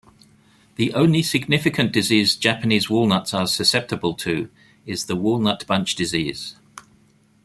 The only significant disease Japanese walnuts are susceptible to is the Walnut Bunch Disease.